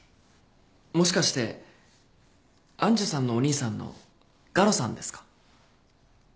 もしかして愛珠さんのお兄さんの我路さんですか？